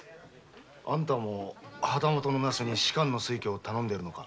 あんたも那須に仕官の推挙を頼んでいるのか？